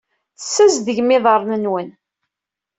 Tessazedgem iḍarren-nwen.